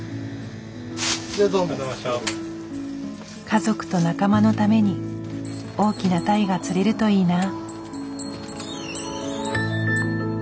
家族と仲間のために大きなタイが釣れるといいな。